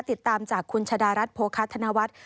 ติดตามจากคุณชะดารัฐโภคาธนวัฒน์